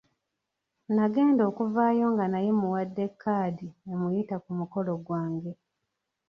Nagenda okuvaayo nga naye mmuwadde 'kkaadi' emuyita ku mukolo gwange.